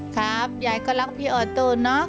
ครับยายก็รักพี่ออโต้เนอะ